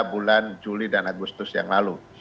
bulan juli dan agustus yang lalu